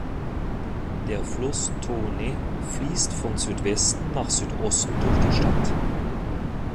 Der Fluss Tone fließt von Südwesten nach Südosten durch die Stadt.